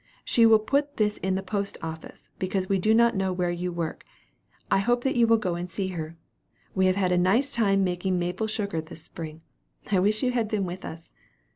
She will put this in the post office, because we do not know where you work. I hope you will go and see her. We have had a nice time making maple sugar this spring. I wish you had been with us.